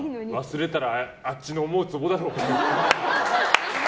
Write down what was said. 忘れたらあっちの思う壺だろうが。